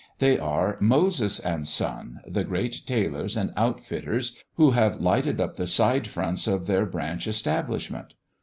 They are "Moses and Son," the great tailors and outfitters, who have lighted up the side fronts of their branch establishment.